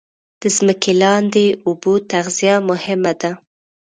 د ځمکې لاندې اوبو تغذیه مهمه ده